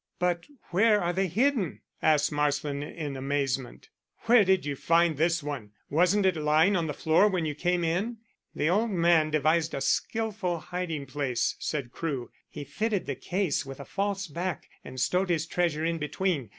"But where are they hidden?" asked Marsland, in amazement. "Where did you find this one? Wasn't it lying on the floor when you came in?" "The old man devised a skilful hiding place," said Crewe. "He fitted the case with a false back, and stowed his treasure in between.